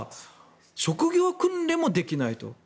職業訓練もできないと。